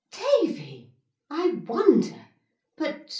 _' 'Tavy! I wonder! But